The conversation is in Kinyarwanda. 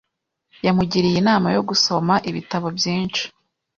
Yamugiriye inama yo gusoma ibitabo byinshi .